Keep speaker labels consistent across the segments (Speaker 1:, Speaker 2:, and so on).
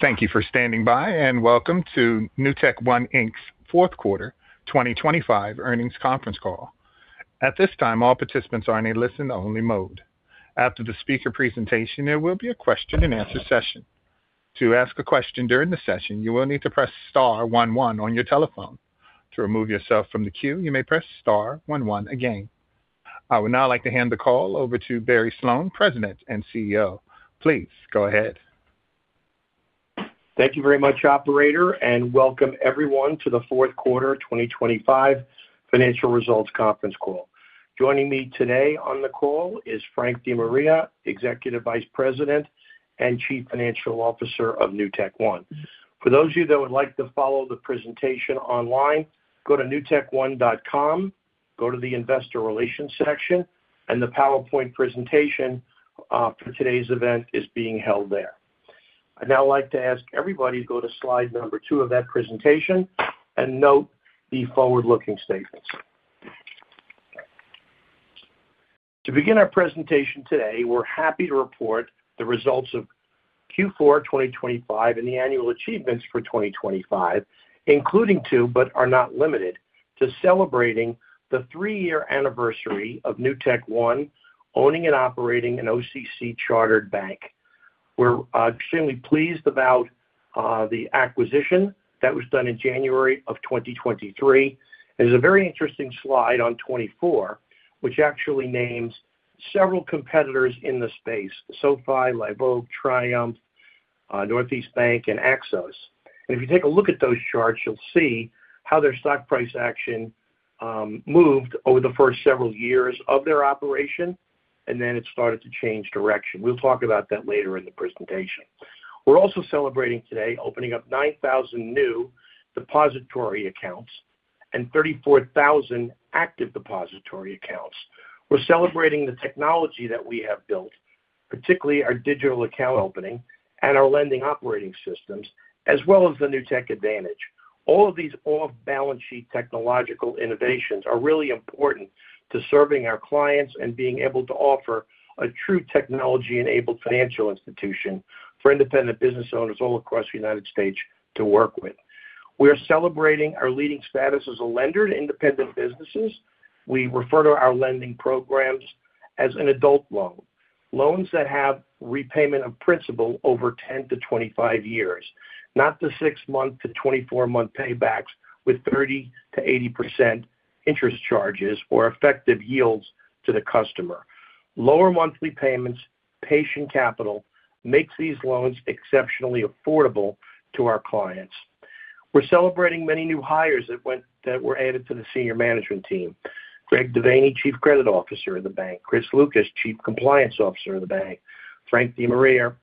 Speaker 1: Thank you for standing by and welcome to NewtekOne, Inc.'s Fourth Quarter 2025 earnings conference call. At this time, all participants are in a listen-only mode. After the speaker presentation, there will be a question-and-answer session. To ask a question during the session, you will need to press Star one one on your telephone. To remove yourself from the queue, you may press Star one one again. I would now like to hand the call over to Barry Sloane, President and CEO. Please go ahead.
Speaker 2: Thank you very much, Operator, and welcome everyone to the Fourth Quarter 2025 financial results conference call. Joining me today on the call is Frank DeMaria, Executive Vice President and Chief Financial Officer of NewtekOne. For those of you that would like to follow the presentation online, go to newtekone.com, go to the Investor Relations section, and the PowerPoint presentation for today's event is being held there. I'd now like to ask everybody to go to slide number two of that presentation and note the forward-looking statements. To begin our presentation today, we're happy to report the results of Q4 2025 and the annual achievements for 2025, including, but are not limited to celebrating the 3-year anniversary of NewtekOne owning and operating an OCC chartered bank. We're extremely pleased about the acquisition that was done in January of 2023. There's a very interesting slide on 24, which actually names several competitors in the space: SoFi, Live Oak, Triumph, Northeast Bank, and Axos. And if you take a look at those charts, you'll see how their stock price action moved over the first several years of their operation, and then it started to change direction. We'll talk about that later in the presentation. We're also celebrating today opening up 9,000 new depository accounts and 34,000 active depository accounts. We're celebrating the technology that we have built, particularly our digital account opening and our lending operating systems, as well as the Newtek Advantage. All of these off-balance sheet technological innovations are really important to serving our clients and being able to offer a true technology-enabled financial institution for independent business owners all across the United States to work with. We are celebrating our leading status as a lender to independent businesses. We refer to our lending programs as an adult loan, loans that have repayment of principal over 10-25 years, not the 6-month to 24-month paybacks with 30%-80% interest charges or effective yields to the customer. Lower monthly payments, patient capital makes these loans exceptionally affordable to our clients. We're celebrating many new hires that were added to the senior management team: Greg DeVaney, Chief Credit Officer of the Bank; Chris Lucas, Chief Compliance Officer of the Bank; Frank DeMaria,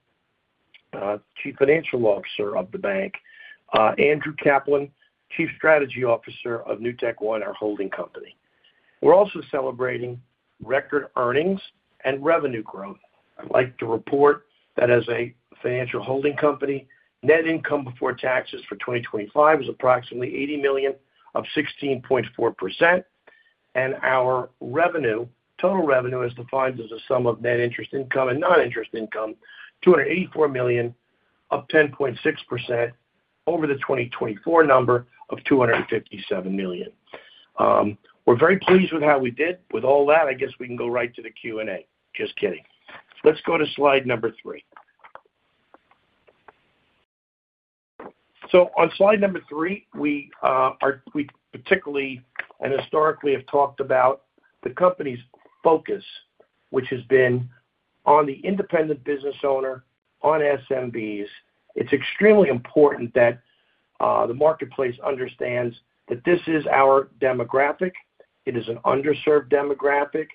Speaker 2: Chief Financial Officer of the Bank; Andrew Kaplan, Chief Strategy Officer of NewtekOne, our holding company. We're also celebrating record earnings and revenue growth. I'd like to report that as a financial holding company, net income before taxes for 2025 was approximately $80 million of 16.4%, and our revenue, total revenue, is defined as a sum of net interest income and non-interest income, $284 million of 10.6% over the 2024 number of $257 million. We're very pleased with how we did with all that. I guess we can go right to the Q&A. Just kidding. Let's go to slide number 3. So on slide number 3, we particularly and historically have talked about the company's focus, which has been on the independent business owner, on SMBs. It's extremely important that the marketplace understands that this is our demographic. It is an underserved demographic,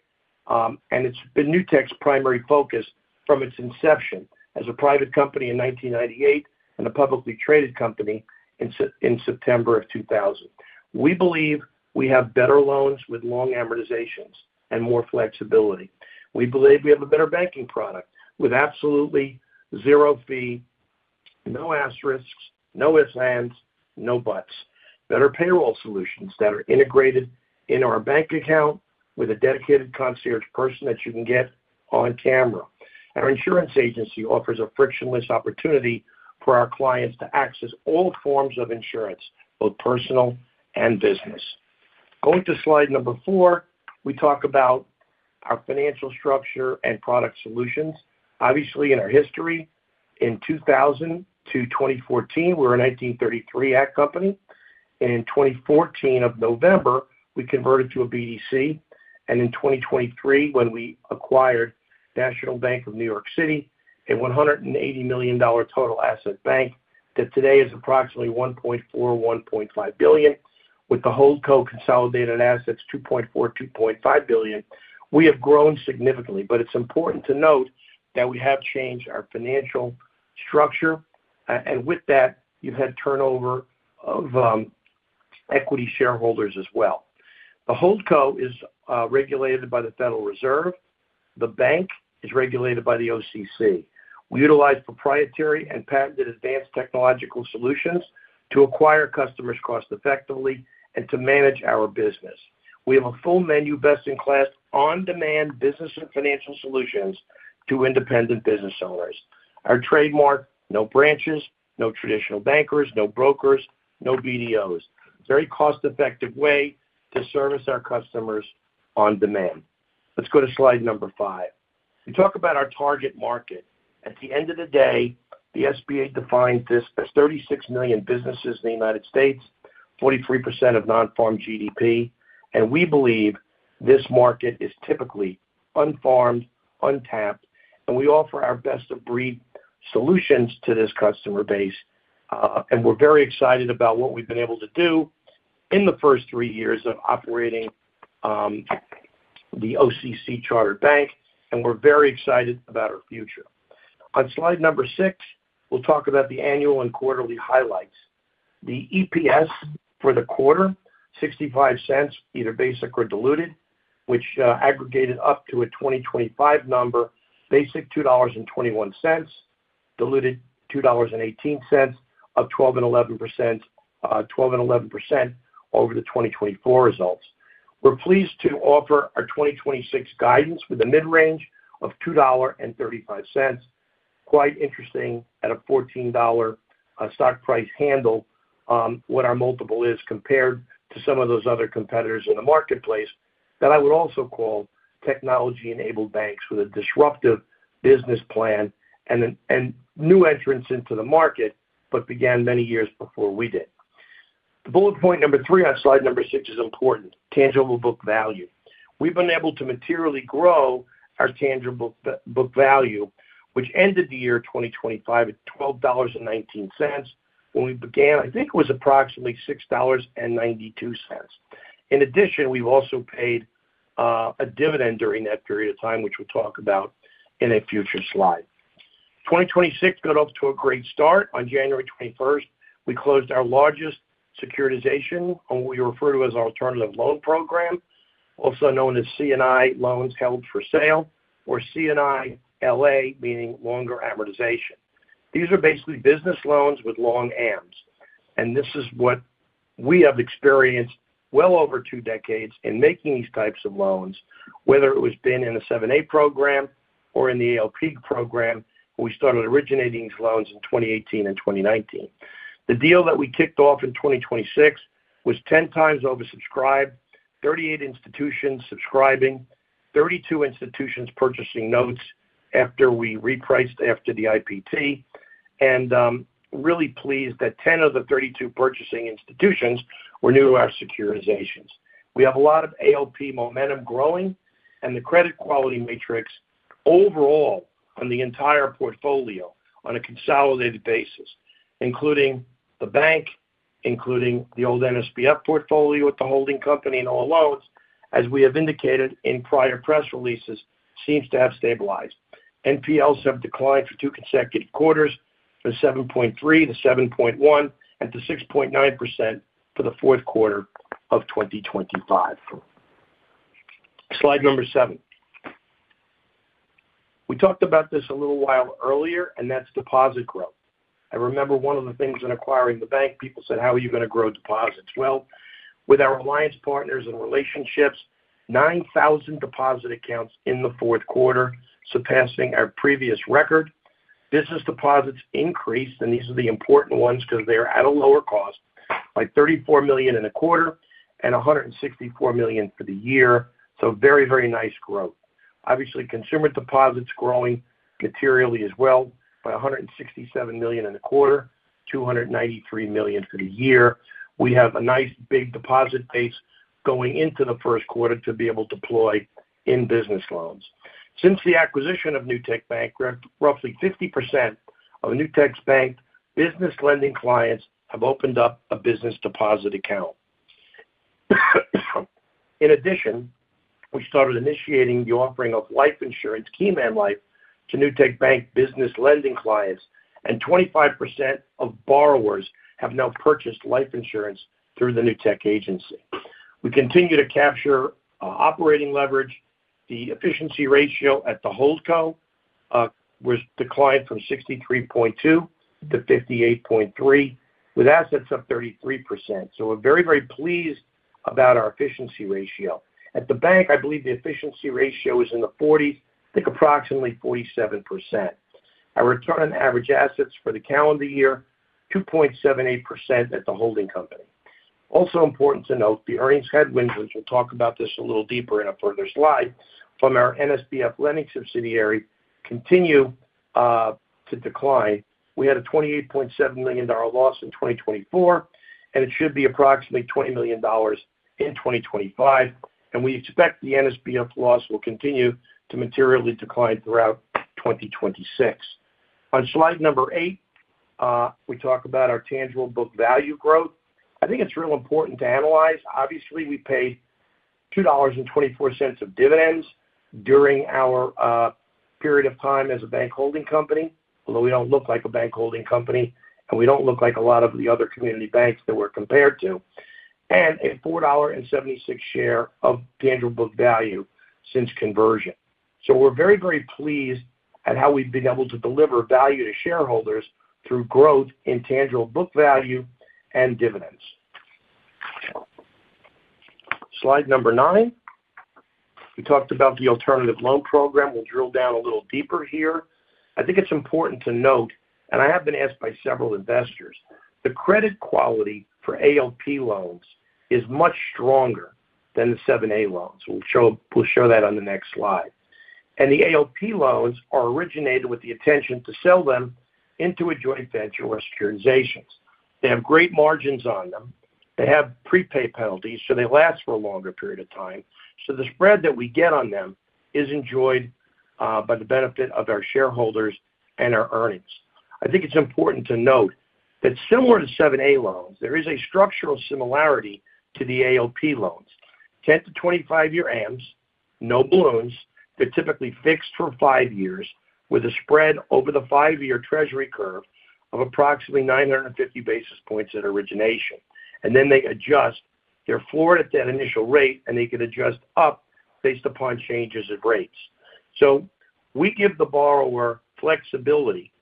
Speaker 2: and it's been Newtek's primary focus from its inception as a private company in 1998 and a publicly traded company in September of 2000. We believe we have better loans with long amortizations and more flexibility. We believe we have a better banking product with absolutely zero fee, no asterisks, no ifs, ands, no buts, better payroll solutions that are integrated in our bank account with a dedicated concierge person that you can get on camera. Our insurance agency offers a frictionless opportunity for our clients to access all forms of insurance, both personal and business. Going to slide number 4, we talk about our financial structure and product solutions. Obviously, in our history, in 2000-2014, we were a 1933 Act company. In November 2014, we converted to a BDC, and in 2023, when we acquired National Bank of New York City, a $180 million total asset bank that today is approximately $1.4 billion or $1.5 billion, with the HoldCo consolidated assets $2.4 billion-$2.5 billion, we have grown significantly. But it's important to note that we have changed our financial structure, and with that, you've had turnover of equity shareholders as well. The HoldCo is regulated by the Federal Reserve. The bank is regulated by the OCC. We utilize proprietary and patented advanced technological solutions to acquire customers cost-effectively and to manage our business. We have a full menu best in class on-demand business and financial solutions to independent business owners. Our trademark: no branches, no traditional bankers, no brokers, no BDOs. Very cost-effective way to service our customers on demand. Let's go to slide number 5. We talk about our target market. At the end of the day, the SBA defines this as 36 million businesses in the United States, 43% of non-farm GDP, and we believe this market is typically unfarmed, untapped, and we offer our best-of-breed solutions to this customer base. We're very excited about what we've been able to do in the first three years of operating the OCC chartered bank, and we're very excited about our future. On slide number 6, we'll talk about the annual and quarterly highlights. The EPS for the quarter: $0.65, either basic or diluted, which aggregated up to a 2025 number, basic $2.21, diluted $2.18, up 12% and 11%, 12% and 11% over the 2024 results. We're pleased to offer our 2026 guidance with a mid-range of $2.35, quite interesting at a $14 stock price handle what our multiple is compared to some of those other competitors in the marketplace that I would also call technology-enabled banks with a disruptive business plan and new entrants into the market, but began many years before we did. The bullet point number 3 on slide number 6 is important: tangible book value. We've been able to materially grow our tangible book value, which ended the year 2025 at $12.19 when we began, I think it was approximately $6.92. In addition, we've also paid a dividend during that period of time, which we'll talk about in a future slide. 2026 got off to a great start. On January 21st, we closed our largest securitization on what we refer to as our alternative loan program, also known as C&I Loans Held for Sale, or C&I LA, meaning longer amortization. These are basically business loans with long Ms, and this is what we have experienced well over two decades in making these types of loans, whether it was being in a 7(a) program or in the ALP program. We started originating these loans in 2018 and 2019. The deal that we kicked off in 2026 was 10 times oversubscribed, 38 institutions subscribing, 32 institutions purchasing notes after we repriced after the IPT, and really pleased that 10 of the 32 purchasing institutions were new to our securitizations. We have a lot of ALP momentum growing and the credit quality matrix overall on the entire portfolio on a consolidated basis, including the bank, including the old NSBF portfolio at the holding company and all loans, as we have indicated in prior press releases, seems to have stabilized. NPLs have declined for two consecutive quarters from 7.3%-7.1% and to 6.9% for the fourth quarter of 2025. Slide number 7. We talked about this a little while earlier, and that's deposit growth. I remember one of the things in acquiring the bank, people said, "How are you going to grow deposits?" Well, with our alliance partners and relationships, 9,000 deposit accounts in the fourth quarter surpassing our previous record. Business deposits increased, and these are the important ones because they're at a lower cost, by $34 million in a quarter and $164 million for the year. So very, very nice growth. Obviously, consumer deposits growing materially as well, by $167 million in a quarter, $293 million for the year. We have a nice big deposit base going into the first quarter to be able to deploy in business loans. Since the acquisition of Newtek Bank, roughly 50% of Newtek's bank business lending clients have opened up a business deposit account. In addition, we started initiating the offering of life insurance, Key Man Life, to Newtek Bank business lending clients, and 25% of borrowers have now purchased life insurance through the Newtek Agency. We continue to capture operating leverage. The efficiency ratio at the HoldCo declined from 63.2%-58.3%, with assets up 33%. So we're very, very pleased about our efficiency ratio. At the bank, I believe the efficiency ratio is in the 40s, think approximately 47%. Our return on average assets for the calendar year, 2.78% at the holding company. Also important to note, the earnings headwinds, which we'll talk about this a little deeper in a further slide, from our NSBF lending subsidiary continue to decline. We had a $28.7 million loss in 2024, and it should be approximately $20 million in 2025, and we expect the NSBF loss will continue to materially decline throughout 2026. On slide eight, we talk about our tangible book value growth. I think it's real important to analyze. Obviously, we paid $2.24 of dividends during our period of time as a bank holding company, although we don't look like a bank holding company, and we don't look like a lot of the other community banks that we're compared to, and a $4.76 share of tangible book value since conversion. So we're very, very pleased at how we've been able to deliver value to shareholders through growth in tangible book value and dividends. Slide nine. We talked about the alternative loan program. We'll drill down a little deeper here. I think it's important to note, and I have been asked by several investors, the credit quality for ALP loans is much stronger than the 7(a) loans. We'll show that on the next slide. The ALP loans are originated with the intention to sell them into a joint venture or securitizations. They have great margins on them. They have prepay penalties, so they last for a longer period of time. So the spread that we get on them is enjoyed by the benefit of our shareholders and our earnings. I think it's important to note that similar to 7(a) loans, there is a structural similarity to the ALP loans. 10-25-year AMS, no balloons. They're typically fixed for 5 years with a spread over the 5-year treasury curve of approximately 950 basis points at origination. Then they adjust. They're floored at that initial rate, and they can adjust up based upon changes of rates. So we give the borrower flexibility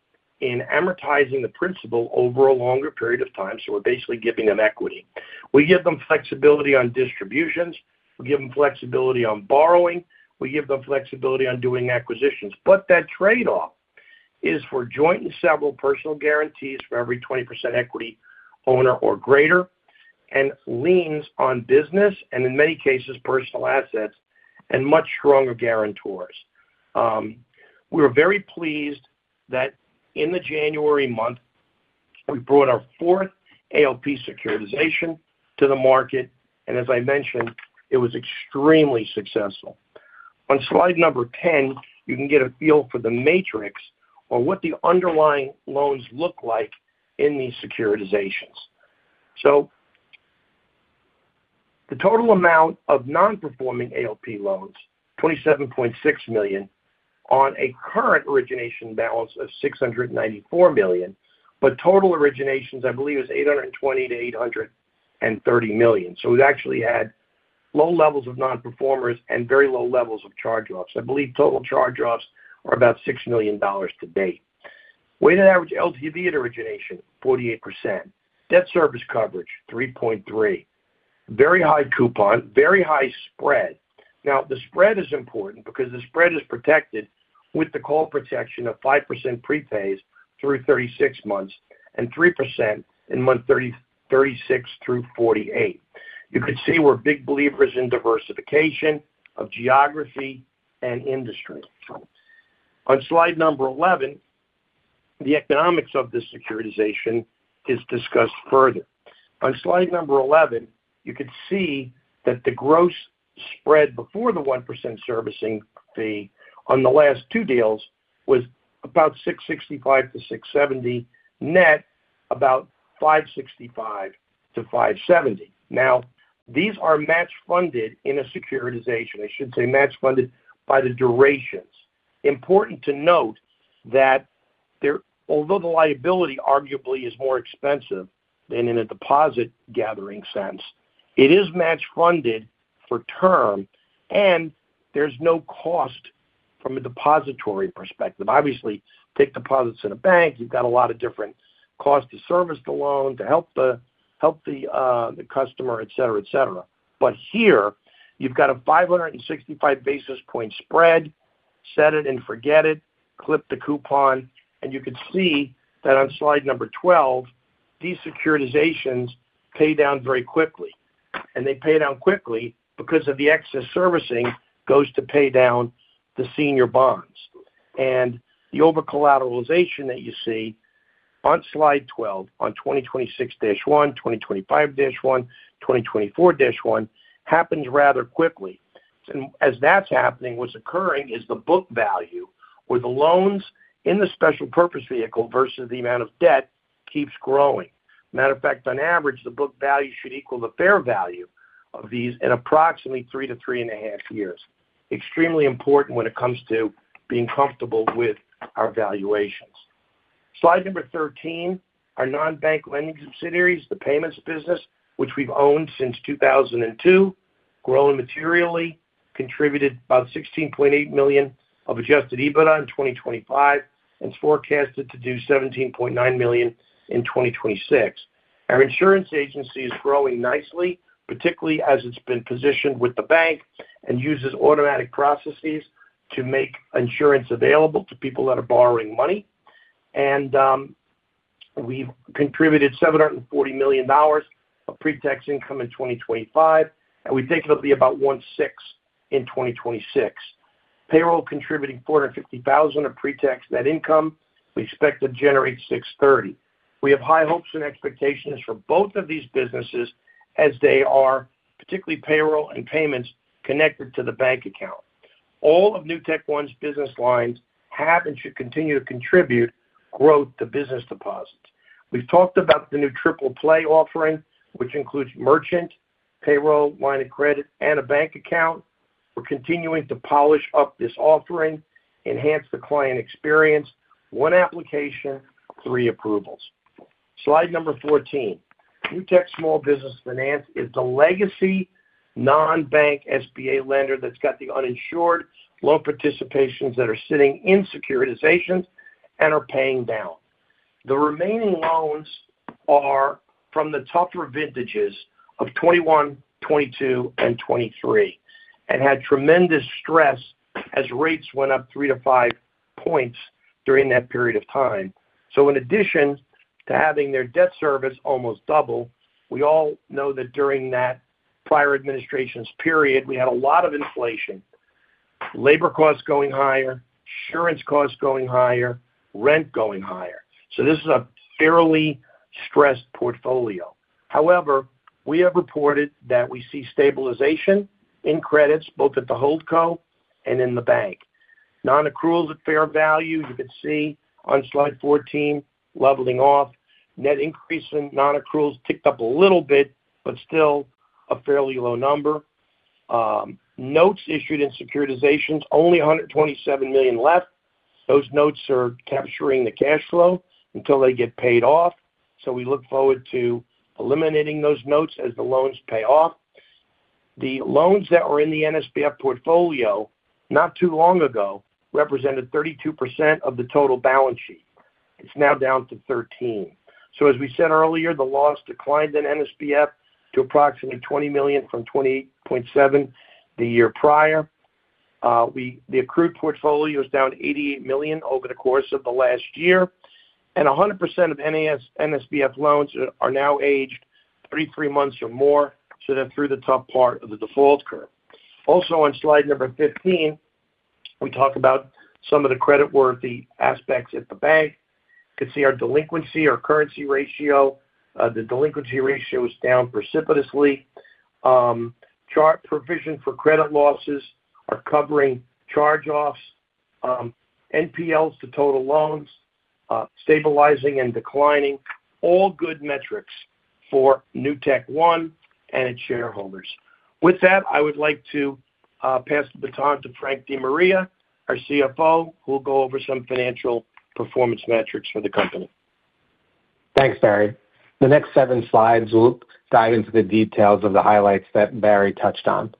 Speaker 2: in amortizing the principal over a longer period of time, so we're basically giving them equity. We give them flexibility on distributions. We give them flexibility on borrowing. We give them flexibility on doing acquisitions. But that trade-off is for joint and several personal guarantees for every 20% equity owner or greater and liens on business and, in many cases, personal assets and much stronger guarantors. We were very pleased that in the January month, we brought our fourth ALP securitization to the market, and as I mentioned, it was extremely successful. On slide number 10, you can get a feel for the matrix or what the underlying loans look like in these securitizations. So the total amount of non-performing ALP loans, $27.6 million on a current origination balance of $694 million, but total originations, I believe, is $820 million-$830 million. So we've actually had low levels of non-performers and very low levels of charge-offs. I believe total charge-offs are about $6 million to date. Weighted average LTV at origination, 48%. Debt service coverage, 3.3. Very high coupon, very high spread. Now, the spread is important because the spread is protected with the call protection of 5% prepays through 36 months and 3% in month 36 through 48. You could see we're big believers in diversification of geography and industry. On slide number 11, the economics of this securitization is discussed further. On slide number 11, you could see that the gross spread before the 1% servicing fee on the last two deals was about 665-670, net about 565-570. Now, these are matched funded in a securitization. I should say matched funded by the durations. Important to note that although the liability arguably is more expensive than in a deposit gathering sense, it is matched funded for term, and there's no cost from a depository perspective. Obviously, take deposits in a bank. You've got a lot of different costs to service the loan, to help the customer, etc. But here, you've got a 565 basis point spread. Set it and forget it. Clip the coupon. And you could see that on slide number 12, these securitizations pay down very quickly. And they pay down quickly because of the excess servicing goes to pay down the senior bonds. And the over-collateralization that you see on slide 12, on 2026-1, 2025-1, 2024-1, happens rather quickly. And as that's happening, what's occurring is the book value or the loans in the special purpose vehicle versus the amount of debt keeps growing. Matter of fact, on average, the book value should equal the fair value of these in approximately 3-3.5 years. Extremely important when it comes to being comfortable with our valuations. Slide number 13, our non-bank lending subsidiaries, the payments business, which we've owned since 2002, grown materially, contributed about $16.8 million of adjusted EBITDA in 2025, and it's forecasted to do $17.9 million in 2026. Our insurance agency is growing nicely, particularly as it's been positioned with the bank and uses automatic processes to make insurance available to people that are borrowing money. We've contributed $740 million of pre-tax income in 2025, and we think it'll be about $1.6 million in 2026. Payroll contributing $450,000 of pre-tax net income. We expect to generate $630,000. We have high hopes and expectations for both of these businesses as they are, particularly payroll and payments connected to the bank account. All of NewtekOne's business lines have and should continue to contribute growth to business deposits. We've talked about the new triple play offering, which includes merchant, payroll, line of credit, and a bank account. We're continuing to polish up this offering, enhance the client experience, one application, three approvals. Slide number 14. Newtek Small Business Finance is the legacy non-bank SBA lender that's got the uninsured loan participations that are sitting in securitizations and are paying down. The remaining loans are from the tougher vintages of 2021, 2022, and 2023 and had tremendous stress as rates went up 3-5 points during that period of time. So in addition to having their debt service almost double, we all know that during that prior administration's period, we had a lot of inflation, labor costs going higher, insurance costs going higher, rent going higher. So this is a fairly stressed portfolio. However, we have reported that we see stabilization in credits, both at the HoldCo and in the bank. Non-accruals at fair value, you could see on slide 14, leveling off. Net increase in non-accruals ticked up a little bit, but still a fairly low number. Notes issued in securitizations, only $127 million left. Those notes are capturing the cash flow until they get paid off. So we look forward to eliminating those notes as the loans pay off. The loans that were in the NSBF portfolio not too long ago represented 32% of the total balance sheet. It's now down to 13%. So as we said earlier, the loss declined in NSBF to approximately $20 million from $28.7 million the year prior. The accrued portfolio is down $88 million over the course of the last year. 100% of NSBF loans are now aged 33 months or more, so they're through the tough part of the default curve. Also, on slide 15, we talk about some of the credit-worthy aspects at the bank. You can see our delinquency, our current ratio. The delinquency ratio is down precipitously. Our provision for credit losses are covering charge-offs. NPLs to total loans, stabilizing and declining, all good metrics for NewtekOne and its shareholders. With that, I would like to pass the baton to Frank DeMaria, our CFO, who will go over some financial performance metrics for the company.
Speaker 3: Thanks, Barry. The next seven slides will dive into the details of the highlights that Barry touched on.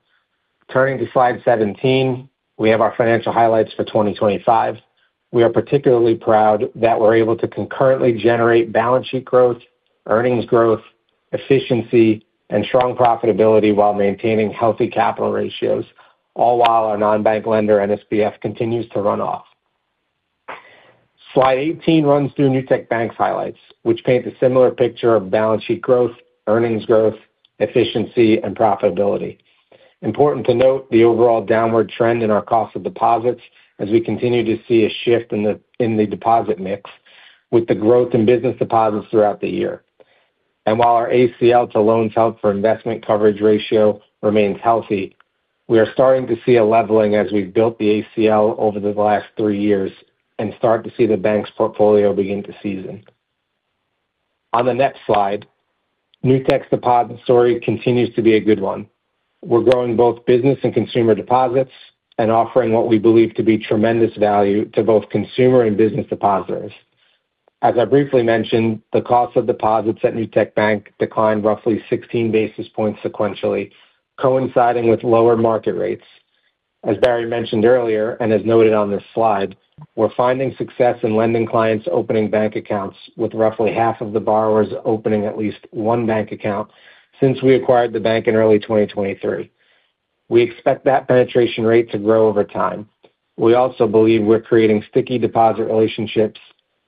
Speaker 3: Turning to slide 17, we have our financial highlights for 2025. We are particularly proud that we're able to concurrently generate balance sheet growth, earnings growth, efficiency, and strong profitability while maintaining healthy capital ratios, all while our non-bank lender, NSBF, continues to run off. Slide 18 runs through Newtek Bank's highlights, which paint a similar picture of balance sheet growth, earnings growth, efficiency, and profitability. Important to note the overall downward trend in our cost of deposits as we continue to see a shift in the deposit mix with the growth in business deposits throughout the year. And while our ACL to loans held for investment coverage ratio remains healthy, we are starting to see a leveling as we've built the ACL over the last three years and start to see the bank's portfolio begin to season. On the next slide, Newtek's depository continues to be a good one. We're growing both business and consumer deposits and offering what we believe to be tremendous value to both consumer and business depositors. As I briefly mentioned, the cost of deposits at Newtek Bank declined roughly 16 basis points sequentially, coinciding with lower market rates. As Barry mentioned earlier and as noted on this slide, we're finding success in lending clients opening bank accounts with roughly half of the borrowers opening at least one bank account since we acquired the bank in early 2023. We expect that penetration rate to grow over time. We also believe we're creating sticky deposit relationships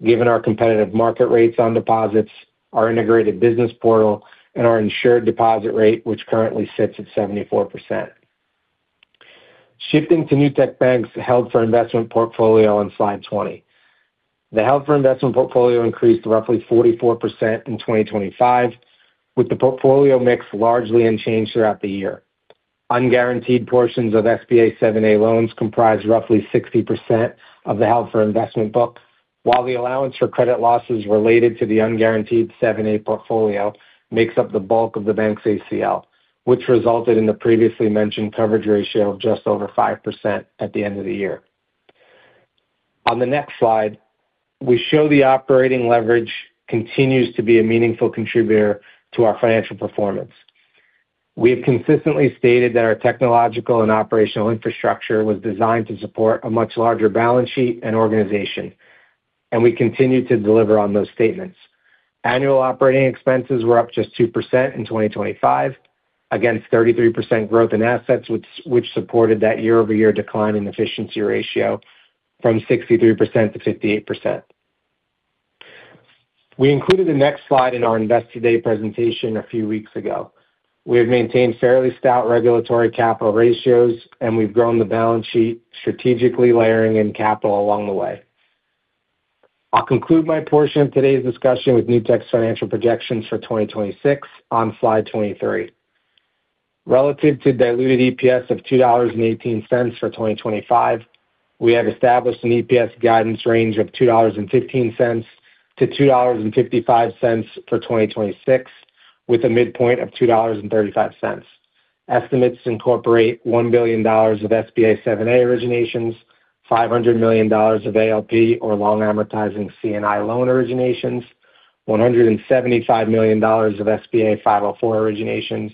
Speaker 3: given our competitive market rates on deposits, our integrated business portal, and our insured deposit rate, which currently sits at 74%. Shifting to Newtek Bank's health for investment portfolio on slide 20. The held-for-investment portfolio increased roughly 44% in 2025, with the portfolio mix largely unchanged throughout the year. Unguaranteed portions of SBA 7(a) loans comprise roughly 60% of the held-for-investment book, while the allowance for credit losses related to the unguaranteed 7(a) portfolio makes up the bulk of the bank's ACL, which resulted in the previously mentioned coverage ratio of just over 5% at the end of the year. On the next slide, we show the operating leverage continues to be a meaningful contributor to our financial performance. We have consistently stated that our technological and operational infrastructure was designed to support a much larger balance sheet and organization, and we continue to deliver on those statements. Annual operating expenses were up just 2% in 2025, against 33% growth in assets, which supported that year-over-year decline in efficiency ratio from 63%-58%. We included the next slide in our Investor Day presentation a few weeks ago. We have maintained fairly stout regulatory capital ratios, and we've grown the balance sheet strategically layering in capital along the way. I'll conclude my portion of today's discussion with Newtek's financial projections for 2026 on slide 23. Relative to diluted EPS of $2.18 for 2025, we have established an EPS guidance range of $2.15-$2.55 for 2026, with a midpoint of $2.35. Estimates incorporate $1 billion of SBA 7(a) originations, $500 million of ALP or long amortizing C&I loan originations, $175 million of SBA 504 originations,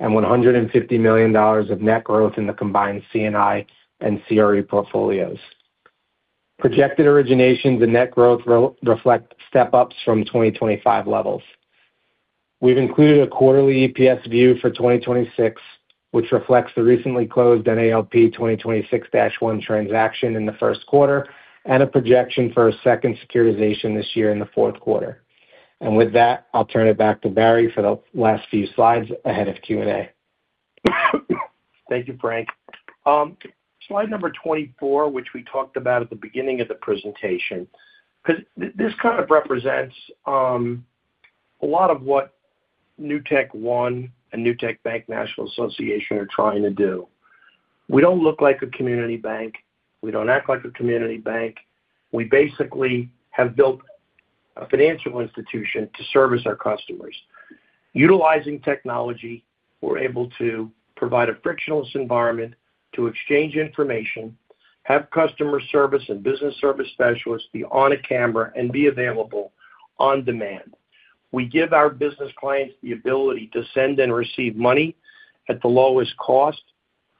Speaker 3: and $150 million of net growth in the combined C&I and CRE portfolios. Projected originations and net growth reflect step-ups from 2025 levels. We've included a quarterly EPS view for 2026, which reflects the recently closed NALP 2026-1 transaction in the first quarter and a projection for a second securitization this year in the fourth quarter. And with that, I'll turn it back to Barry for the last few slides ahead of Q&A.
Speaker 2: Thank you, Frank. Slide number 24, which we talked about at the beginning of the presentation, because this kind of represents a lot of what NewtekOne and Newtek Bank, National Association are trying to do. We don't look like a community bank. We don't act like a community bank. We basically have built a financial institution to service our customers. Utilizing technology, we're able to provide a frictionless environment to exchange information, have customer service and business service specialists be on a camera and be available on demand. We give our business clients the ability to send and receive money at the lowest cost,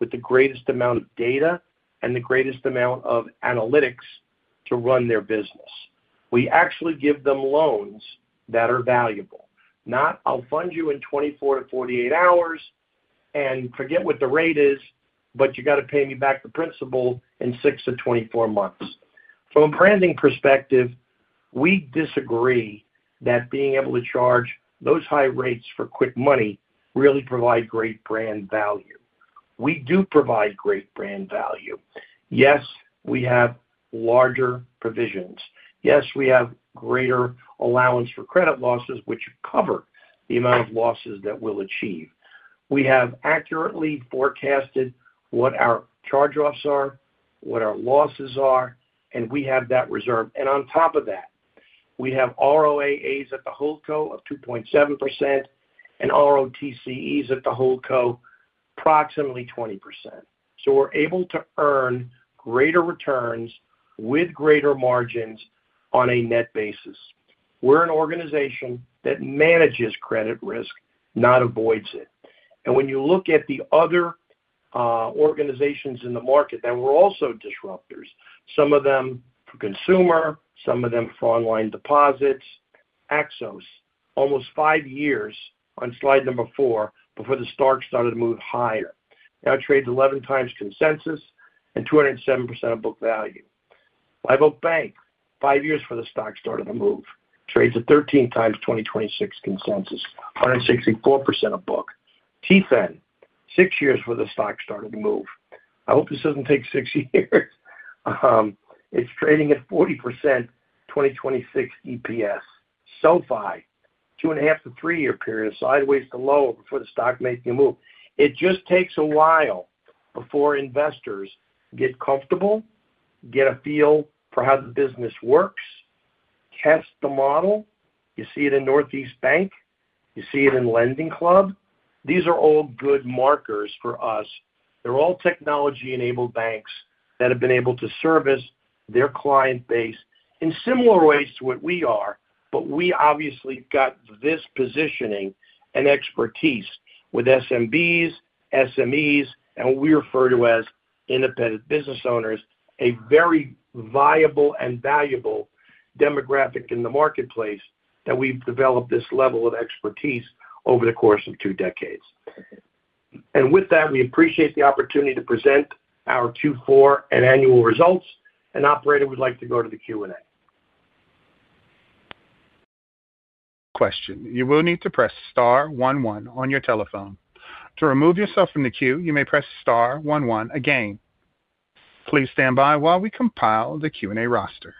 Speaker 2: with the greatest amount of data and the greatest amount of analytics to run their business. We actually give them loans that are valuable. Not, "I'll fund you in 24-48 hours and forget what the rate is, but you got to pay me back the principal in 6-24 months." From a branding perspective, we disagree that being able to charge those high rates for quick money really provides great brand value. We do provide great brand value. Yes, we have larger provisions. Yes, we have greater allowance for credit losses, which cover the amount of losses that we'll achieve. We have accurately forecasted what our charge-offs are, what our losses are, and we have that reserved. And on top of that, we have ROAA at the HoldCo of 2.7% and ROTCE at the HoldCo, approximately 20%. So we're able to earn greater returns with greater margins on a net basis. We're an organization that manages credit risk, not avoids it. And when you look at the other organizations in the market, they were also disruptors. Some of them for consumer, some of them for online deposits. Axos, almost 5 years on slide number four before the stock started to move higher. Now it trades 11x consensus and 207% of book value. Live Oak Bank, 5 years before the stock started to move, trades at 13x 2026 consensus, 164% of book. TFIN, 6 years before the stock started to move. I hope this doesn't take 6 years. It's trading at 40% 2026 EPS. SoFi, 2.5-3-year period, sideways to low before the stock makes a move. It just takes a while before investors get comfortable, get a feel for how the business works, test the model. You see it in Northeast Bank. You see it in Lending Club. These are all good markers for us. They're all technology-enabled banks that have been able to service their client base in similar ways to what we are, but we obviously got this positioning and expertise with SMBs, SMEs, and what we refer to as independent business owners, a very viable and valuable demographic in the marketplace that we've developed this level of expertise over the course of 2 decades. And with that, we appreciate the opportunity to present our Q4 and annual results. And operator, we'd like to go to the Q&A. Question.
Speaker 1: You will need to press star one one on your telephone. To remove yourself from the queue, you may press star one one again. Please stand by while we compile the Q&A roster.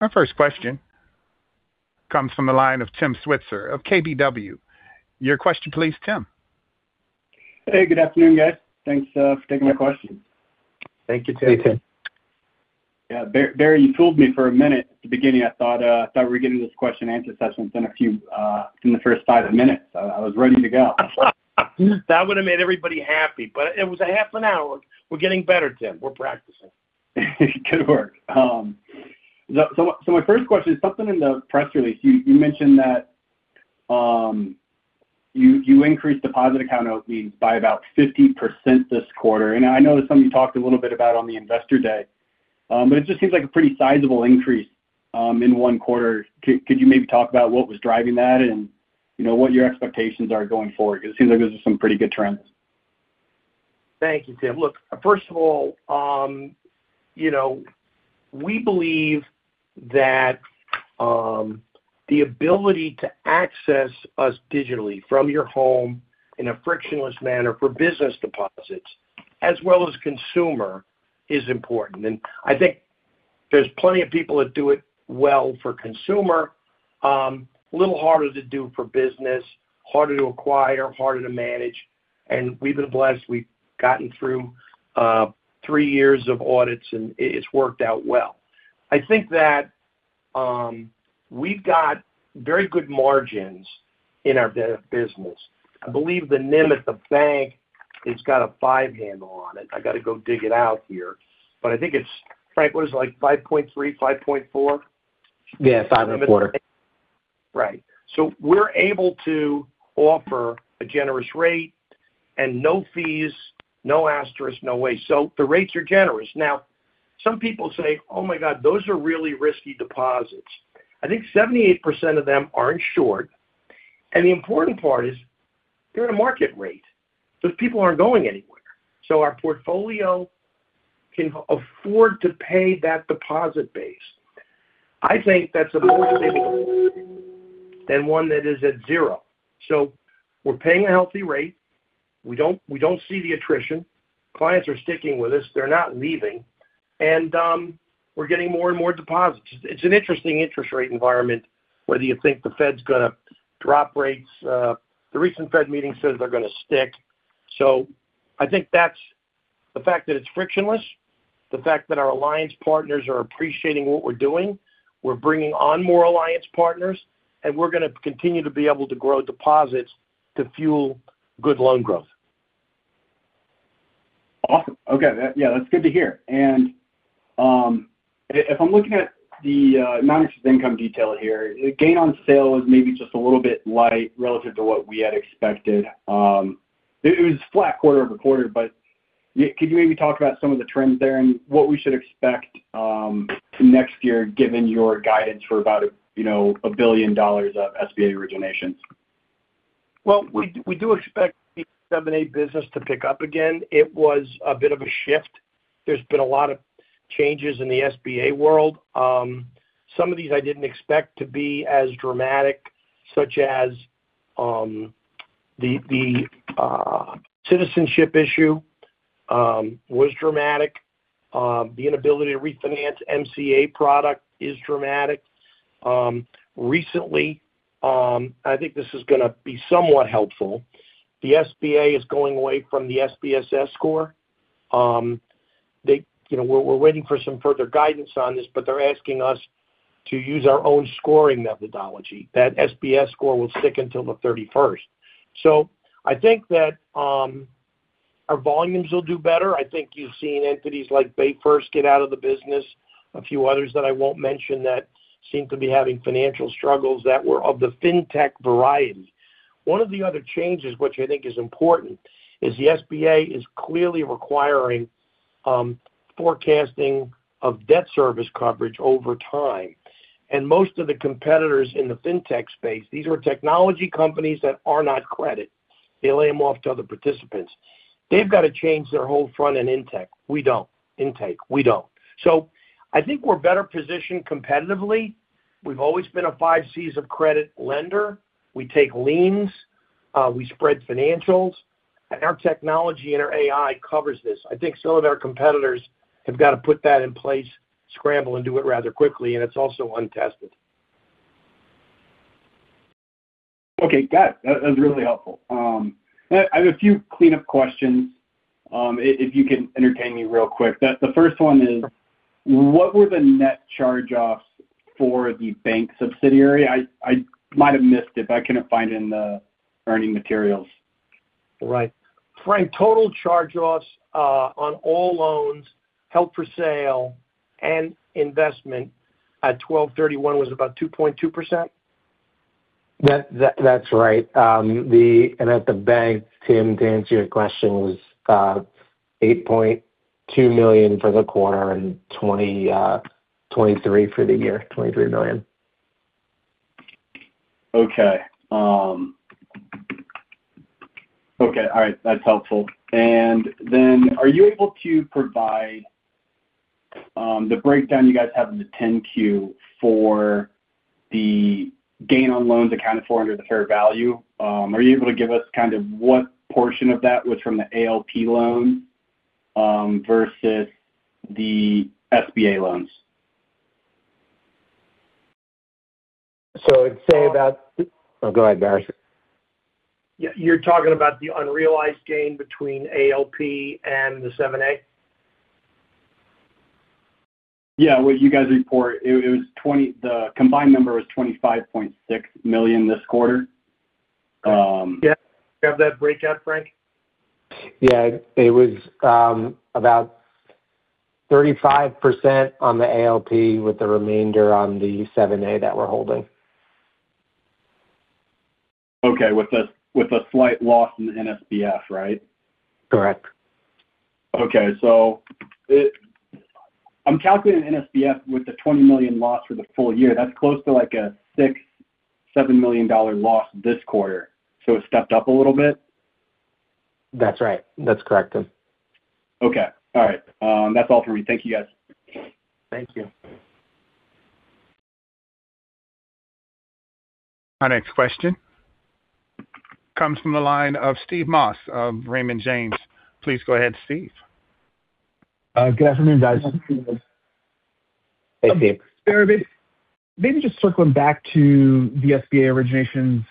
Speaker 1: Our first question comes from the line of Tim Switzer of KBW. Your question, please, Tim.
Speaker 4: Hey, good afternoon, guys. Thanks for taking my question.
Speaker 2: Thank you, Tim.
Speaker 4: Yeah, Barry, you fooled me for a minute at the beginning. I thought we were getting this question-and-answer session within the first five minutes. I was ready to go. That would have made everybody happy, but it was a half an hour. We're getting better, Tim. We're practicing. Good work. So my first question is something in the press release. You mentioned that you increased deposit account openings by about 50% this quarter. I know there's something you talked a little bit about on the investor day, but it just seems like a pretty sizable increase in one quarter. Could you maybe talk about what was driving that and what your expectations are going forward? It seems like those are some pretty good trends.
Speaker 2: Thank you, Tim. Look, first of all, we believe that the ability to access us digitally from your home in a frictionless manner for business deposits, as well as consumer, is important. And I think there's plenty of people that do it well for consumer, a little harder to do for business, harder to acquire, harder to manage. And we've been blessed. We've gotten through three years of audits, and it's worked out well. I think that we've got very good margins in our business. I believe the NIM at the bank has got a five handle on it. I got to go dig it out here. But I think it's, Frank, what is it, like 5.3, 5.4?
Speaker 3: Yeah, 5.25.
Speaker 2: Right. So we're able to offer a generous rate and no fees, no asterisk, no way. So the rates are generous. Now, some people say, "Oh my God, those are really risky deposits." I think 78% of them aren't short. And the important part is they're at a market rate. Those people aren't going anywhere. So our portfolio can afford to pay that deposit base. I think that's a more stable deposit than one that is at zero. So we're paying a healthy rate. We don't see the attrition. Clients are sticking with us. They're not leaving. And we're getting more and more deposits. It's an interesting interest rate environment, whether you think the Fed's going to drop rates. The recent Fed meeting says they're going to stick. So I think that's the fact that it's frictionless, the fact that our alliance partners are appreciating what we're doing. We're bringing on more alliance partners, and we're going to continue to be able to grow deposits to fuel good loan growth.
Speaker 4: Awesome. Okay. Yeah, that's good to hear. And if I'm looking at the non-interest income detail here, the gain on sale was maybe just a little bit light relative to what we had expected. It was flat quarter-over-quarter, but could you maybe talk about some of the trends there and what we should expect next year, given your guidance for about $1 billion of SBA originations?
Speaker 2: Well, we do expect the 7(a) business to pick up again. It was a bit of a shift. There's been a lot of changes in the SBA world. Some of these I didn't expect to be as dramatic, such as the citizenship issue was dramatic. The inability to refinance MCA product is dramatic. Recently, I think this is going to be somewhat helpful. The SBA is going away from the SBSS score. We're waiting for some further guidance on this, but they're asking us to use our own scoring methodology. That SBSS score will stick until the 31st. So I think that our volumes will do better. I think you've seen entities like BayFirst get out of the business, a few others that I won't mention that seem to be having financial struggles that were of the fintech variety. One of the other changes, which I think is important, is the SBA is clearly requiring forecasting of debt service coverage over time. And most of the competitors in the fintech space, these are technology companies that are not credit. They lay them off to other participants. They've got to change their whole front in intake. We don't. We don't. So I think we're better positioned competitively. We've always been a five Cs of credit lender. We take liens. We spread financials. And our technology and our AI covers this. I think some of our competitors have got to put that in place, scramble, and do it rather quickly, and it's also untested.
Speaker 4: Okay. Got it. That was really helpful. I have a few cleanup questions, if you can entertain me real quick. The first one is, what were the net charge-offs for the bank subsidiary? I might have missed it, but I couldn't find it in the earnings materials.
Speaker 2: Right. Frank, total charge-offs on all loans, held for sale, and investment at 12/31 was about 2.2%?
Speaker 3: That's right. And at the bank, Tim, to answer your question, was $8.2 million for the quarter and $23 million for the year.
Speaker 4: Okay. Okay. All right. That's helpful. And then are you able to provide the breakdown you guys have in the 10Q for the gain on loans accounted for under the fair value? Are you able to give us kind of what portion of that was from the ALP loans versus the SBA loans?
Speaker 3: So I'd say about oh, go ahead, Barry.
Speaker 2: Yeah. You're talking about the unrealized gain between ALP and the 7(a)?
Speaker 4: Yeah. What you guys report, the combined number was $25.6 million this quarter.
Speaker 2: Yeah. Do you have that breakout, Frank? Yeah.
Speaker 3: It was about 35% on the ALP with the remainder on the 7(a) that we're holding.
Speaker 4: Okay. With a slight loss in the NSBF, right?
Speaker 3: Correct.
Speaker 4: Okay. So I'm calculating NSBF with the $20 million loss for the full-year. That's close to like a $6-$7 million dollar loss this quarter. So it stepped up a little bit?
Speaker 3: That's right. That's correct, Tim.
Speaker 4: Okay. All right. That's all for me. Thank you, guys.
Speaker 1: Thank you. Our next question comes from the line of Steve Moss of Raymond James. Please go ahead, Steve.
Speaker 5: Good afternoon, guys.
Speaker 2: Hey, Steve.
Speaker 5: Maybe just circling back to the SBA originations,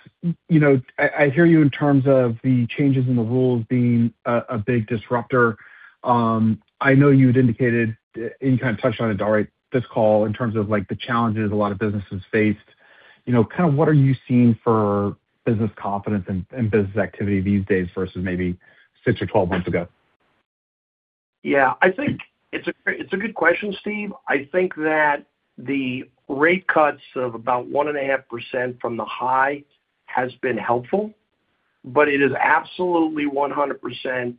Speaker 5: I hear you in terms of the changes in the rules being a big disruptor. I know you had indicated, and you kind of touched on it already at this call, in terms of the challenges a lot of businesses faced. Kind of what are you seeing for business confidence and business activity these days versus maybe 6 or 12 months ago?
Speaker 2: Yeah. I think it's a good question, Steve. I think that the rate cuts of about 1.5% from the high has been helpful, but it is absolutely 100%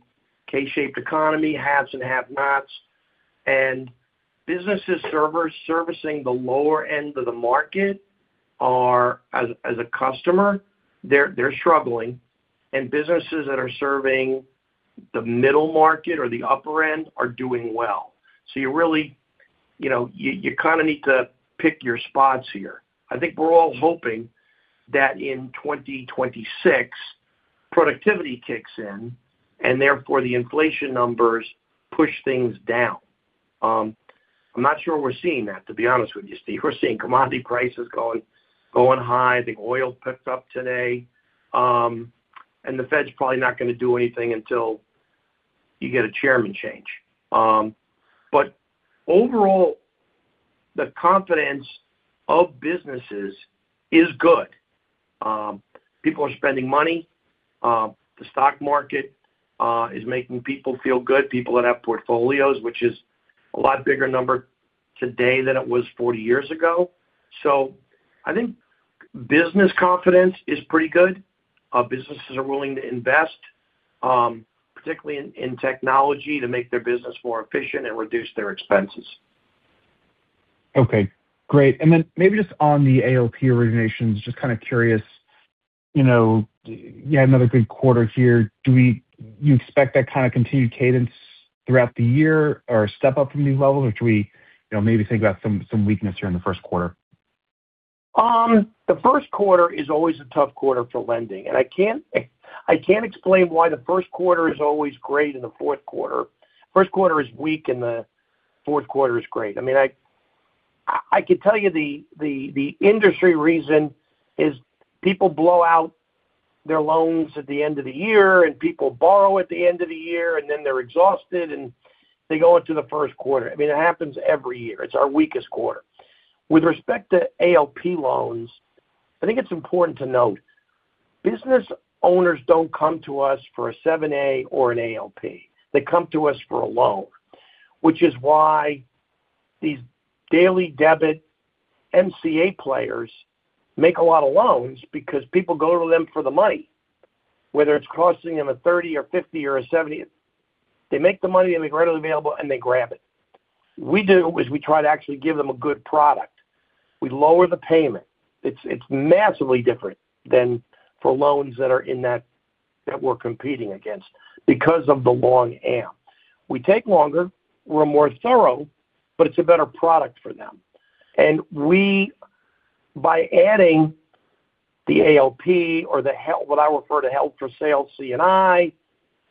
Speaker 2: K-shaped economy, haves and have-nots. And businesses servicing the lower end of the market, as a customer, they're struggling. And businesses that are serving the middle market or the upper end are doing well. So you really kind of need to pick your spots here. I think we're all hoping that in 2026, productivity kicks in, and therefore the inflation numbers push things down. I'm not sure we're seeing that, to be honest with you, Steve. We're seeing commodity prices going high. I think oil picked up today. The Fed's probably not going to do anything until you get a chairman change. But overall, the confidence of businesses is good. People are spending money. The stock market is making people feel good, people that have portfolios, which is a lot bigger number today than it was 40 years ago. So I think business confidence is pretty good. Businesses are willing to invest, particularly in technology, to make their business more efficient and reduce their expenses.
Speaker 5: Okay. Great. And then maybe just on the ALP originations, just kind of curious, you had another good quarter here. Do you expect that kind of continued cadence throughout the year or a step up from these levels, or should we maybe think about some weakness here in the first quarter?
Speaker 2: The first quarter is always a tough quarter for lending. I can't explain why the first quarter is always great in the fourth quarter. First quarter is weak, and the fourth quarter is great. I mean, I can tell you the industry reason is people blow out their loans at the end of the year, and people borrow at the end of the year, and then they're exhausted, and they go into the first quarter. I mean, it happens every year. It's our weakest quarter. With respect to ALP loans, I think it's important to note business owners don't come to us for a 7(a) or an ALP. They come to us for a loan, which is why these daily debit MCA players make a lot of loans because people go to them for the money, whether it's costing them a 30 or 50 or a 70. They make the money, they make it readily available, and they grab it. What we do is we try to actually give them a good product. We lower the payment. It's massively different than the loans that we're competing against because of the long-term. We take longer. We're more thorough, but it's a better product for them. And by adding the ALP or what I refer to as held-for-sale C&I,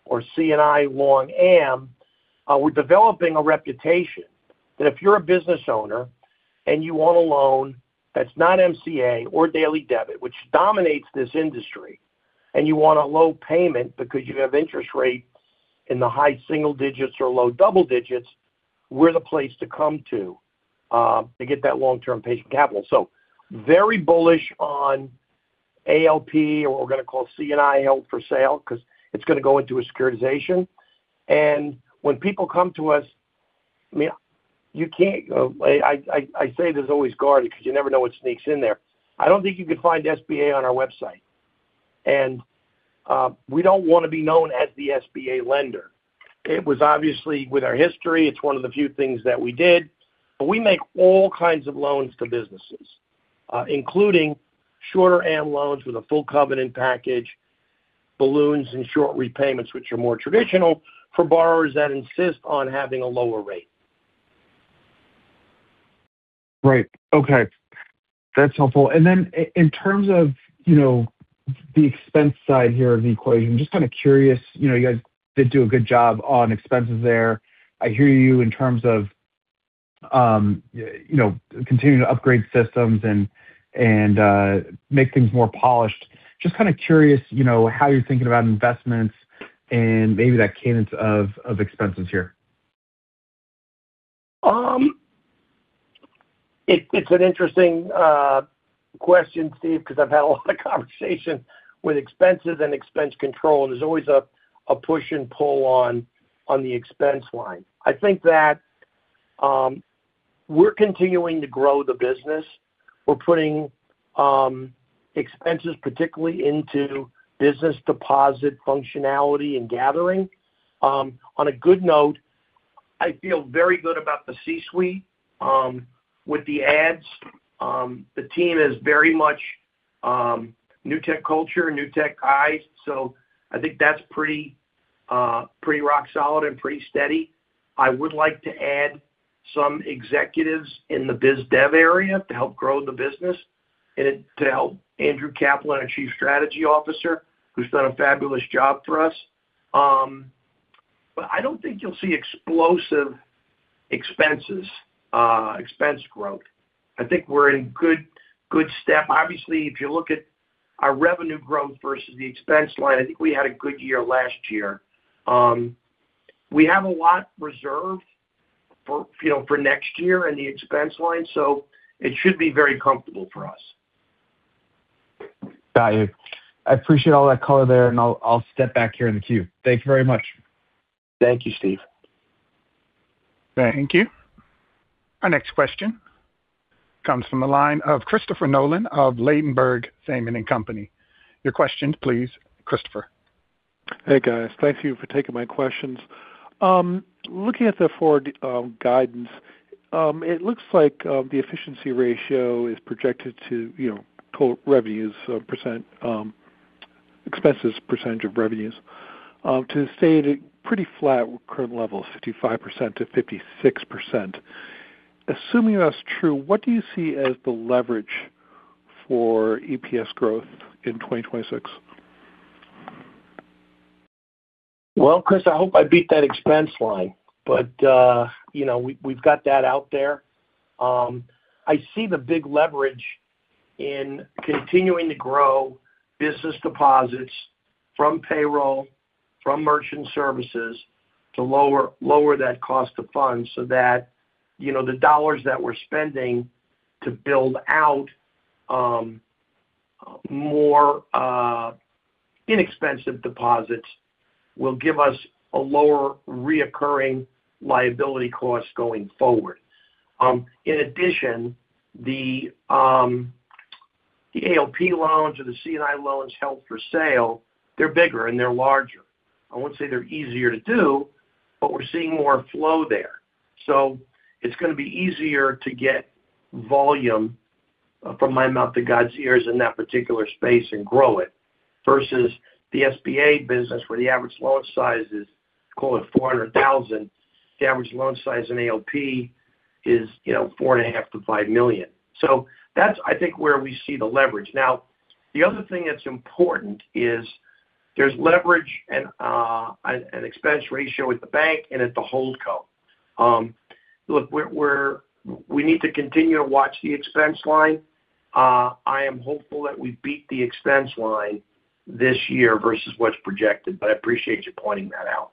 Speaker 2: or C&I long-term, we're developing a reputation that if you're a business owner and you want a loan that's not MCA or daily debit, which dominates this industry, and you want a low payment because you have interest rates in the high single digits or low double digits, we're the place to come to to get that long-term patient capital. So very bullish on ALP or what we're going to call C&I held for sale because it's going to go into a securitization. When people come to us, I mean, I say there's always guardrails because you never know what sneaks in there. I don't think you could find SBA on our website. We don't want to be known as the SBA lender. It was obviously with our history. It's one of the few things that we did. But we make all kinds of loans to businesses, including shorter-term loans with a full covenant package, balloons, and short repayments, which are more traditional for borrowers that insist on having a lower rate.
Speaker 5: Right. Okay. That's helpful. Then in terms of the expense side here of the equation, just kind of curious, you guys did do a good job on expenses there. I hear you in terms of continuing to upgrade systems and make things more polished. Just kind of curious how you're thinking about investments and maybe that cadence of expenses here.
Speaker 2: It's an interesting question, Steve, because I've had a lot of conversation with expenses and expense control. There's always a push and pull on the expense line. I think that we're continuing to grow the business. We're putting expenses, particularly into business deposit functionality and gathering. On a good note, I feel very good about the C-suite with the ads. The team is very much Newtek culture, Newtek eyes. So I think that's pretty rock solid and pretty steady. I would like to add some executives in the biz dev area to help grow the business and to help Andrew Kaplan, our Chief Strategy Officer, who's done a fabulous job for us. But I don't think you'll see explosive expenses, expense growth. I think we're in good step. Obviously, if you look at our revenue growth versus the expense line, I think we had a good year last year. We have a lot reserved for next year and the expense line, so it should be very comfortable for us.
Speaker 5: Got you. I appreciate all that color there, and I'll step back here in the queue. Thank you very much.
Speaker 2: Thank you, Steve.
Speaker 1: Thank you. Our next question comes from the line of Christopher Nolan of Ladenburg Thalmann & Co. Inc. Your question, please, Christopher.
Speaker 6: Hey, guys. Thank you for taking my questions. Looking at the forward guidance, it looks like the efficiency ratio is projected to total revenues percent, expenses percentage of revenues, to stay at a pretty flat current level of 55%-56%. Assuming that's true, what do you see as the leverage for EPS growth in 2026?
Speaker 2: Well, Chris, I hope I beat that expense line, but we've got that out there. I see the big leverage in continuing to grow business deposits from payroll, from merchant services to lower that cost of funds so that the dollars that we're spending to build out more inexpensive deposits will give us a lower recurring liability cost going forward. In addition, the ALP loans or the C&I loans held for sale, they're bigger and they're larger. I won't say they're easier to do, but we're seeing more flow there. So it's going to be easier to get volume from my mouth to God's ears in that particular space and grow it versus the SBA business where the average loan size is, call it 400,000. The average loan size in ALP is $4.5 million-$5 million. So that's, I think, where we see the leverage. Now, the other thing that's important is there's leverage and expense ratio with the bank and at the holdco. Look, we need to continue to watch the expense line. I am hopeful that we beat the expense line this year versus what's projected, but I appreciate you pointing that out.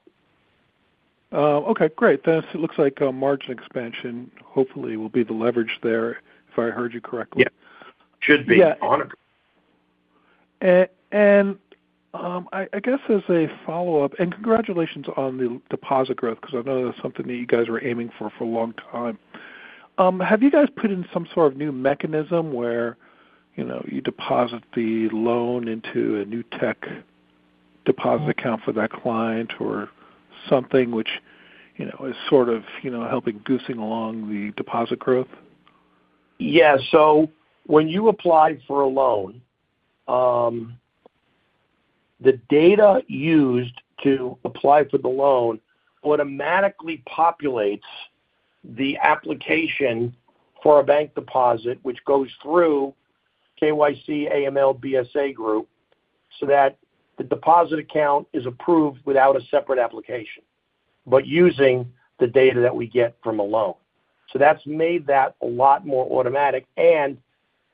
Speaker 6: Okay. Great. Then it looks like margin expansion hopefully will be the leverage there, if I heard you correctly.
Speaker 2: Yeah. Should be. Yeah.
Speaker 6: And I guess as a follow-up, and congratulations on the deposit growth because I know that's something that you guys were aiming for for a long time. Have you guys put in some sort of new mechanism where you deposit the loan into a new tech deposit account for that client or something which is sort of helping goosing along the deposit growth?
Speaker 2: Yeah. So when you apply for a loan, the data used to apply for the loan automatically populates the application for a bank deposit, which goes through KYC, AML, BSA group, so that the deposit account is approved without a separate application, but using the data that we get from a loan. So that's made that a lot more automatic. And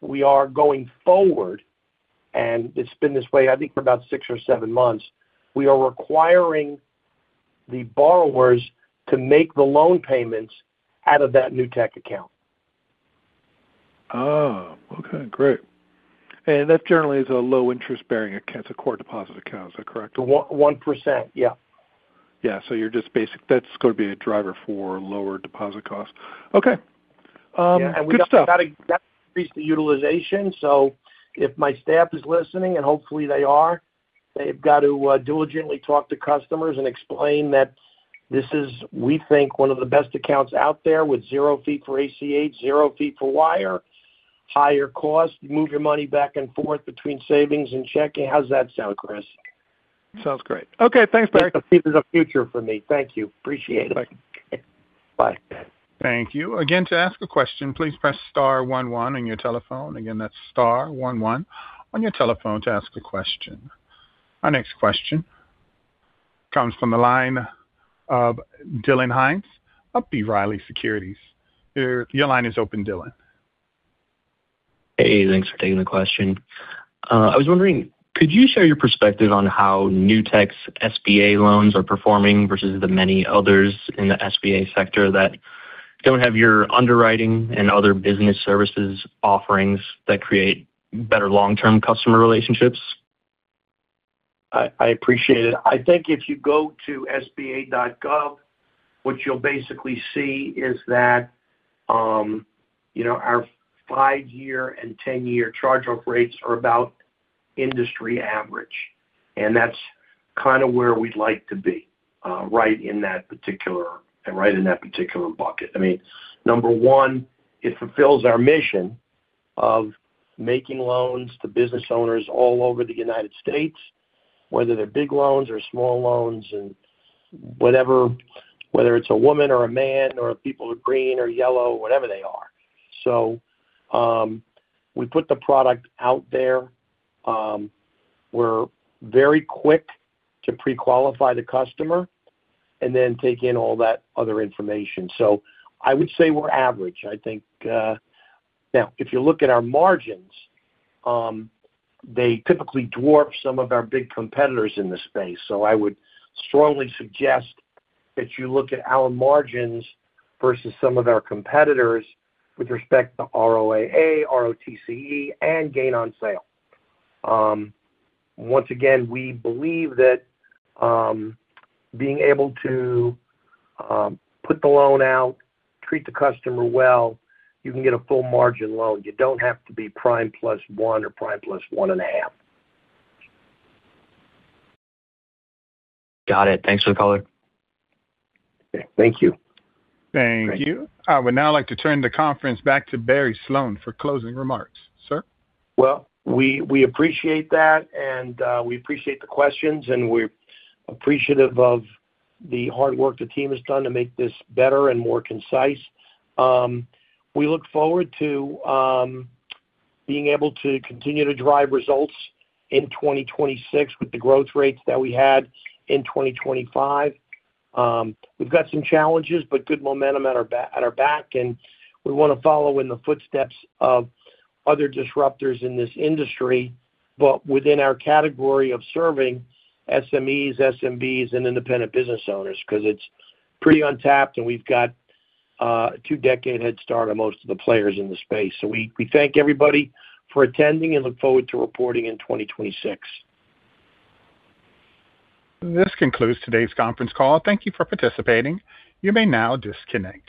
Speaker 2: we are going forward, and it's been this way, I think, for about six or seven months, we are requiring the borrowers to make the loan payments out of that new tech account.
Speaker 6: Oh, okay. Great. And that generally is a low-interest bearing account, it's a core deposit account. Is that correct?
Speaker 2: 1%.Yeah.
Speaker 6: Yeah. So you're just basically, that's going to be a driver for lower deposit costs. Okay. Good stuff.
Speaker 2: Yeah. And we've got to increase the utilization. So if my staff is listening, and hopefully they are, they've got to diligently talk to customers and explain that this is, we think, one of the best accounts out there with zero fee for ACH, zero fee for wire, higher cost, move your money back and forth between savings and checking. How does that sound, Chris?
Speaker 6: Sounds great. Okay. Thanks, Barry. That's a future for me. Thank you. Appreciate it. Bye.
Speaker 2: Bye.
Speaker 1: Thank you. Again, to ask a question, please press star 11 on your telephone. Again, that's star 11 on your telephone to ask a question. Our next question comes from the line of Dillion Hines, B. Riley Securities. Your line is open, Dillion.
Speaker 7: Hey. Thanks for taking the question. I was wondering, could you share your perspective on how Newtek's SBA loans are performing versus the many others in the SBA sector that don't have your underwriting and other business services offerings that create better long-term customer relationships?
Speaker 2: I appreciate it. I think if you go to SBA.gov, what you'll basically see is that our 5-year and 10-year charge-off rates are about industry average. And that's kind of where we'd like to be, right in that particular right in that particular bucket. I mean, number one, it fulfills our mission of making loans to business owners all over the United States, whether they're big loans or small loans and whatever, whether it's a woman or a man or people who are green or yellow, whatever they are. So we put the product out there. We're very quick to pre-qualify the customer and then take in all that other information. So I would say we're average, I think. Now, if you look at our margins, they typically dwarf some of our big competitors in this space. So I would strongly suggest that you look at our margins versus some of our competitors with respect to ROAA, ROTCE, and gain on sale. Once again, we believe that being able to put the loan out, treat the customer well, you can get a full margin loan. You don't have to be prime plus one or prime plus one and a half.
Speaker 7: Got it. Thanks for the caller. Okay. Thank you.
Speaker 1: Thank you. I would now like to turn the conference back to Barry Sloane for closing remarks, sir.
Speaker 2: Well, we appreciate that, and we appreciate the questions, and we're appreciative of the hard work the team has done to make this better and more concise. We look forward to being able to continue to drive results in 2026 with the growth rates that we had in 2025. We've got some challenges, but good momentum at our back, and we want to follow in the footsteps of other disruptors in this industry, but within our category of serving SMEs, SMBs, and independent business owners because it's pretty untapped, and we've got a 2-decade head start on most of the players in the space. So we thank everybody for attending and look forward to reporting in 2026.
Speaker 1: This concludes today's conference call. Thank you for participating. You may now disconnect.